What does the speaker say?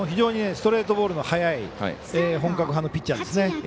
ストレートボールの速い本格派のピッチャーですね。